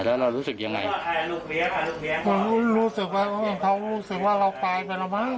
แล้วเรารู้สึกยังไงรู้สึกว่าเขารู้สึกว่าเราตายไปแล้วมั้